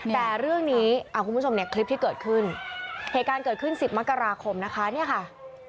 แต่เรื่องนี้คลิปที่เกิดขึ้นเหตุการณ์เกิดขึ้น๑๐มกราคมนะคะ